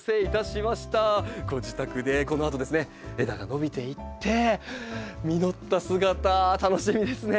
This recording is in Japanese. ご自宅でこのあと枝が伸びていって実った姿楽しみですね。